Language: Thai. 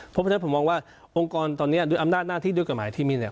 เพราะฉะนั้นผมมองว่าองค์กรตอนนี้ด้วยอำนาจหน้าที่ด้วยกฎหมายที่มีเนี่ย